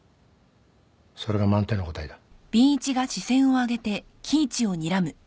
それが満点の答えだ。